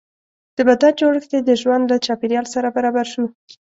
د بدن جوړښت یې د ژوند له چاپېریال سره برابر شو.